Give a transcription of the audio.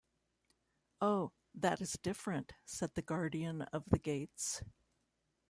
"Oh, that is different," said the Guardian of the Gates.